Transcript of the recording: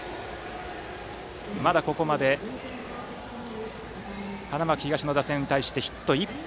まだここまで花巻東の打線に対しヒット１本。